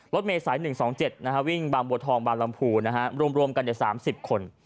รถเมษาย๑๒๗วิ่งบางบัวทองบางลำพูรวมกัน๓๐คน